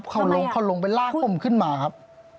เขาลงเขาลงไปลากผมขึ้นมาครับ